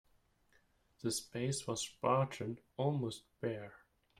The space was spartan, almost bare.